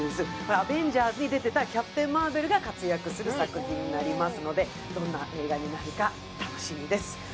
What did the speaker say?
「アベンジャーズ」に出てたキャプテン・マーベルが活躍する映画になるので、どんな映画になるか楽しみです。